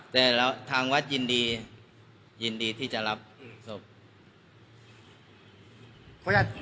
แต่ทางวัดยินดียินดีที่จะรับศพ